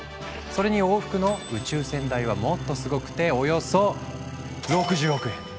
それに往復の宇宙船代はもっとすごくておよそ６０億円。